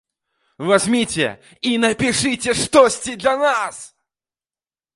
Вазьміце і напішыце штосьці для нас!